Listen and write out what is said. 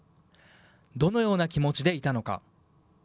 どのような気持ちでいたのか。